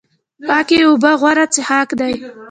پاکې اوبه غوره څښاک دی